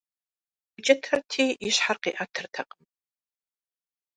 Укӏытэрти и щхьэр къиӏэтыртэкъым.